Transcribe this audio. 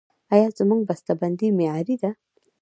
آیا زموږ بسته بندي معیاري ده؟